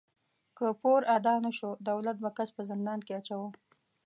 که پور ادا نهشو، دولت به کس په زندان کې اچاوه.